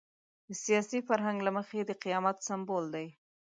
د سیاسي فرهنګ له مخې د قیامت سمبول دی.